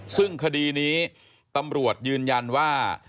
ซึ่งคดีนี้ตำรวจยืนยันว่า